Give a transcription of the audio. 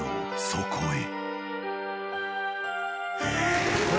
［そこへ］